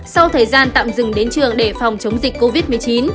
sau thời gian tạm dừng đến trường để phòng chống dịch covid một mươi chín